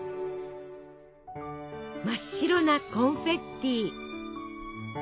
真っ白なコンフェッティ！